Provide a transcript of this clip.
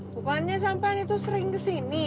bukannya sampean itu sering kesini